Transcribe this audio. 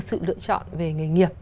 sự lựa chọn về nghề nghiệp